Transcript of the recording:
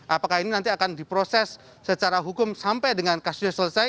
apakah ini nanti akan diproses secara hukum sampai dengan kasusnya selesai